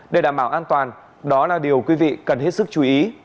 để đảm bảo an toàn đó là điều quý vị cần hết sức chú ý